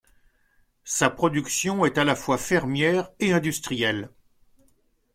Sa production est à la fois fermière et industrielle.